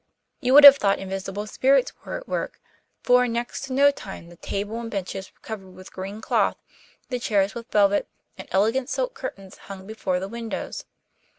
You would have thought invisible spirits were at work, for in next to no time the table and benches were covered with green cloth, the chairs with velvet, and elegant silk curtains hung before the windows.